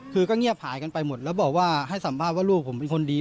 คือก็เงียบหายกันไปหมดแล้วบอกว่าให้สัมภาษณ์ว่าลูกผมเป็นคนดี